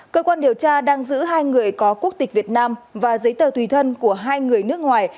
cơ quan điều tra đang giữ hai người có quốc tịch việt nam và giấy tờ tùy thân của hai người nước ngoài